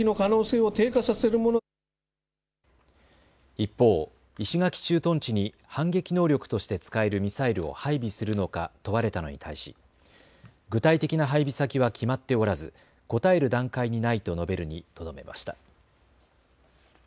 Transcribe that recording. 一方、石垣駐屯地に反撃能力として使えるミサイルを配備するのか問われたのに対し具体的な配備先は決まっておらず答える段階にないと述べるにとどめました。